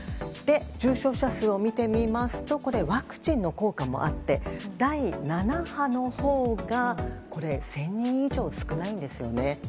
重症者数を見てみますとワクチンの効果もあって第７波のほうが１０００人以上少ないんですよね。